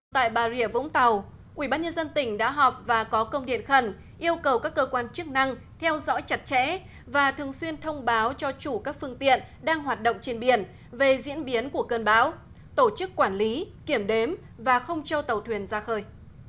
tại bà rịa vũng tàu ubnd tỉnh đã họp và có công điện khẩn yêu cầu các cơ quan chức năng theo dõi chặt chẽ và thường xuyên thông báo cho chủ các phương tiện đang hoạt động trên biển về diễn biến của cơn bão tổ chức quản lý kiểm đếm và không cho tàu thuyền ra khơi